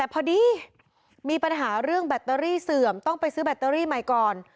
พอดีมีปัญหาเรื่องแบตเตอรี่เสื่อมต้องไปซื้อแบตเตอรี่ใหม่ก่อน